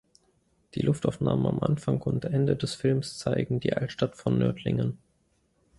Die Luftaufnahmen am Anfang und Ende des Films zeigen die Altstadt von Nördlingen.